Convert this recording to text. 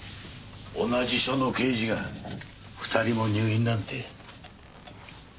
同じ署の刑事が２人も入院なんて。